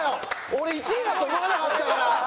俺１位だと思わなかったから。